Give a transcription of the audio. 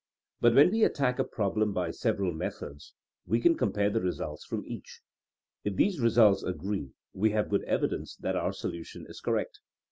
But when we attack a problem by several methods we can compare the results from each. If these results agree we have good evidence that our solution is correct.